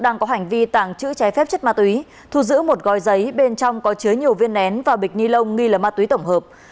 đang có hành vi tàng trữ trái phép chất ma túy thu giữ một gói giấy bên trong có chứa nhiều viên nén và bịch ni lông nghi là ma túy tổng hợp